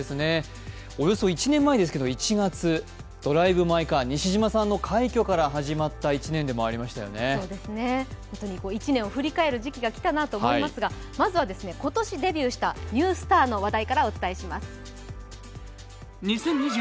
およそ１年前ですが、１月、「ドライブ・マイ・カー」、西島さんの快挙から始まった１年でもありましたね。１年を振り返る時期が来たなと思いますが、まずは今年デビューしたニュースターの話題からお伝えします。